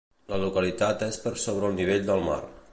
La localitat és per sobre el nivell del mar.